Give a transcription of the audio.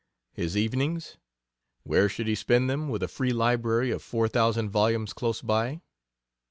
His evenings? Where should he spend them, with a free library of four thousand volumes close by?